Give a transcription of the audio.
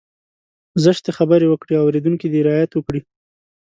زشتې خبرې وکړي اورېدونکی دې رعايت وکړي.